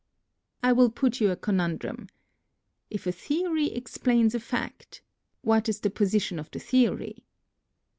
I will put you a conundrum : If a theory explains a fact, what is the position of the theory